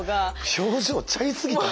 表情ちゃいすぎたね。